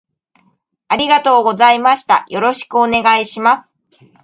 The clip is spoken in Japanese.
ありがとうございましたよろしくお願いします